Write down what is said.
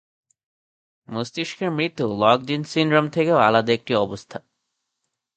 মস্তিষ্কের মৃত্যু লকড-ইন-সিনড্রোম থেকেও আলাদা একটি অবস্থা।